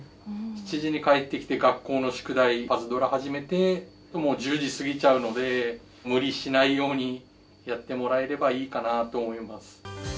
７時に帰ってきて学校の宿題『パズドラ』始めてもう１０時過ぎちゃうので無理しないようにやってもらえればいいかなと思います。